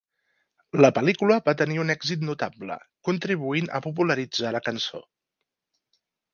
La pel·lícula va tenir un èxit notable, contribuint a popularitzar la cançó.